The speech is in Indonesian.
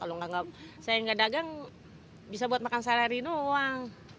kalau saya nggak dagang bisa buat makan sehari hari doang